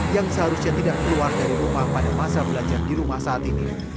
yang seharusnya tidak keluar dari rumah pada masa belajar di rumah saat ini